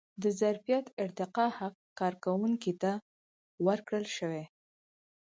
د ظرفیت ارتقا حق کارکوونکي ته ورکړل شوی.